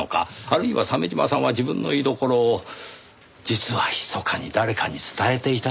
あるいは鮫島さんは自分の居所を実はひそかに誰かに伝えていたのかもしれない。